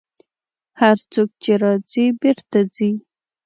هر څوک چې راځي، بېرته ځي.